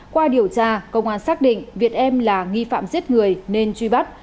qua điều tra công an xác định việt em là nghi phạm giết người nên truy bắt